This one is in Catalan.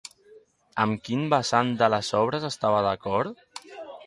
Amb quin vessant de les obres estava d'acord?